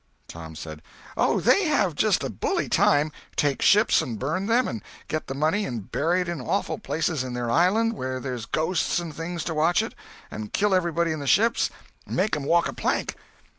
Tom said: "Oh, they have just a bully time—take ships and burn them, and get the money and bury it in awful places in their island where there's ghosts and things to watch it, and kill everybody in the ships—make 'em walk a plank."